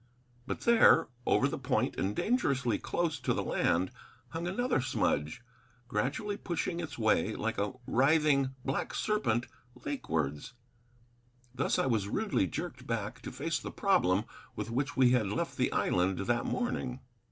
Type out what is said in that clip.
But there, over the point and dangerously close to the land, hung another smudge, gradually pushing its way like a writhing, black serpent, lakewards. Thus I was rudely jerked back to face the problem with which we had left the island that morning.